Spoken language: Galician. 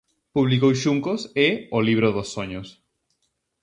Publicou "Xuncos" e "O libro dos soños".